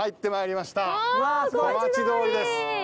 小町通りです。